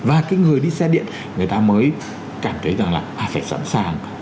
và cái người đi xe điện người ta mới cảm thấy rằng là sẽ sẵn sàng